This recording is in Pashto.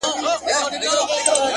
پرون دي بيا راته غمونه راكړل’